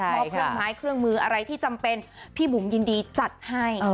เครื่องไม้เครื่องมืออะไรที่จำเป็นพี่บุ๋มยินดีจัดให้